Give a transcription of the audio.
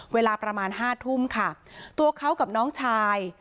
เวลาประมาณห้าทุ่มค่ะตัวเขากับน้องชาย